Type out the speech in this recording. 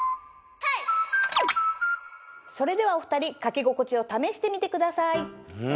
それではお２人書き心地を試してみてください。